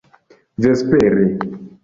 vespere